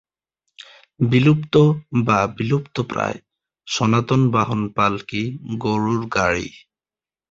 বিলুপ্ত বা বিলুপ্তপ্রায় সনাতন বাহন পালকি, গরুর গাড়ি।